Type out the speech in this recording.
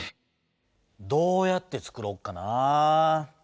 どうやってつくろっかな。